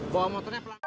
bawa motornya pelan pelan